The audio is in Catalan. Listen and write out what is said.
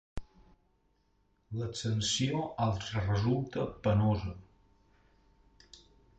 L'ascensió els resulta penosa.